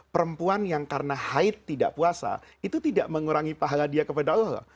perempuan yang karena haid tidak puasa itu tidak mengurangi pahala dia kepada allah